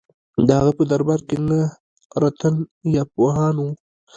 د هغه په دربار کې نهه رتن یا پوهان وو.